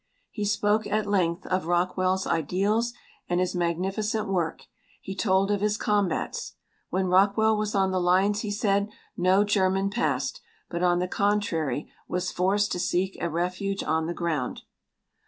He spoke at length of Rockwell's ideals and his magnificent work. He told of his combats. "When Rockwell was on the lines," he said, "no German passed, but on the contrary was forced to seek a refuge on the ground."